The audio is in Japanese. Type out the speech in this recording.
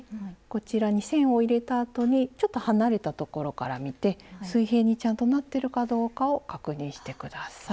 こちらに線を入れたあとにちょっと離れたところから見て水平にちゃんとなってるかどうかを確認して下さい。